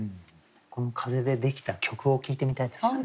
この風でできた曲を聴いてみたいですよね。